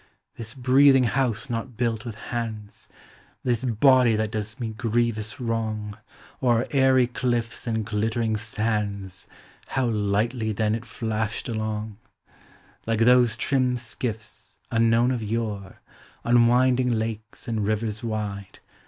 This breathing house not built with hands. This body that docs me grievous wrong, O'er aery clilfs and glittering sands ITow lightly then it Hashed along: Digitized by Google >2VA POEMX OF HOME Like thoHO trim skills, unknown of yore, On winding lakes and rivers wide.